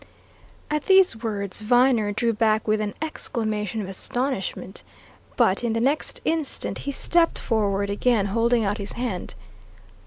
At these words Viner drew back with an exclamation of astonishment, but in the next instant he stepped forward again, holding out his hand.